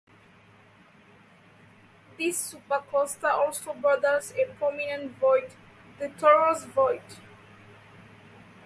This supercluster also borders a prominent void, the Taurus Void.